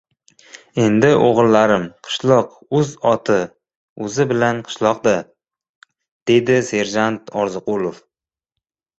— Endi, ullarim, qishloq o‘z oti o‘zi bilan qishloq-da, — dedi serjant Orziqulov.